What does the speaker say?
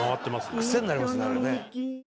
癖になりますねあれね。